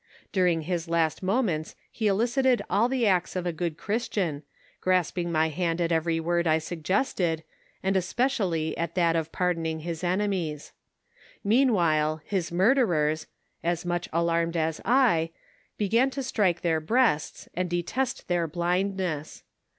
During his last moments he elicited all the acts of a good Christian, grasping my hand at every word I suggested, and especially at that of pardoning his enemies. Meanwhile his murderers, as much alarmed as I, began to strike their breasts, and de test their blindness.